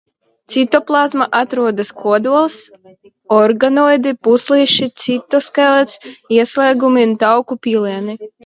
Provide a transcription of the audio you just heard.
Citoplazmā atrodas kodols, organoīdi, pūslīši, citoskelets, ieslēgumi un tauku pilieni.